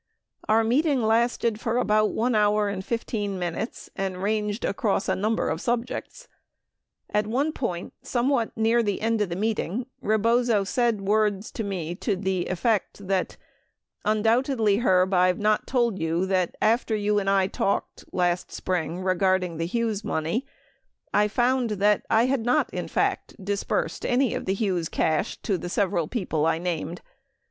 Our meeting lasted for about 1 hour and 15 minutes and ranged across a number of subjects. At one point somewhat near the end of the meeting, Rebozo said words to me to the effect that : "Undoubtedly, Herb, I have not told you that after you and I talked last spring regarding the Hughes money, I found that I had not in fact disbursed any of the Hughes cash to the several people I named.